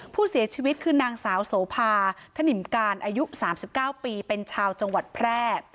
ผู้เสียชีวิตคือนางสาวโสภาธนิมการอายุ๓๙ปีเป็นชาวจังหวัดแพร่